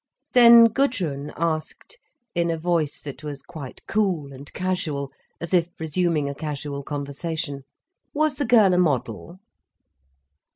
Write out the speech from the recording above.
Then Gudrun asked, in a voice that was quite cool and casual, as if resuming a casual conversation: "Was the girl a model?"